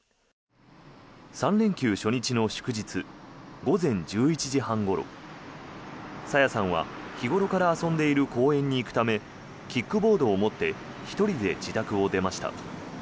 ３連休初日の祝日午前１１時半ごろ朝芽さんは日頃から遊んでいる公園に行くためキックボードを持って１人で自宅を出ました。